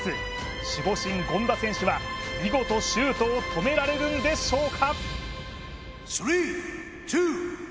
守護神・権田選手は見事、シュートを止められるんでしょうか？